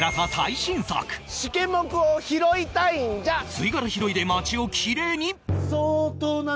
吸い殻拾いで街をキレイに